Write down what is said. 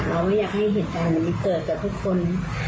เราไม่อยากให้เหตุการณ์แบบนี้เกิดกับทุกคน